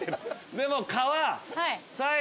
でも。